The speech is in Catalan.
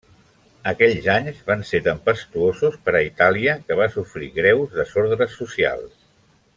Aquells anys van ser tempestuosos per a Itàlia, que va sofrir greus desordres socials.